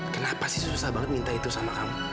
kenapa sih susah banget minta itu sama kamu